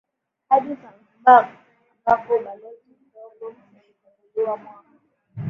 hadi Zanzibar ambako ubalozi mdogo ulifunguliwa mwaka